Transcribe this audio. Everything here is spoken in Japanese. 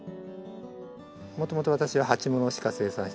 もともと私は鉢物しか生産していなかったんで。